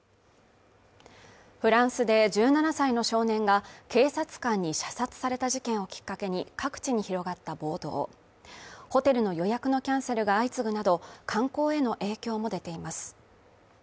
フランスで１７歳の少年が警察官に射殺された事件をきっかけに、各地に広がった暴動ホテルの予約のキャンセルが相次ぐなど、観光への影響も出ています。